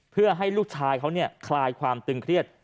เพื่อให้ลูกชายเขาคลายความตึงเครียด